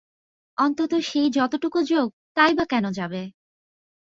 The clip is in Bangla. অন্তত সেই যতটুকু যোগ তাই বা কেন যাবে?